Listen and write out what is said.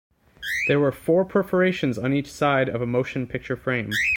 There were four perforations on each side of a motion picture frame.